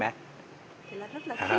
rất là khít